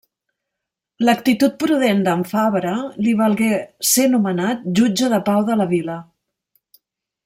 L'actitud prudent d'en Fabre li valgué ser nomenat jutge de pau de la vila.